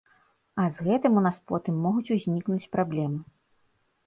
А з гэтым у нас потым могуць узнікнуць праблемы.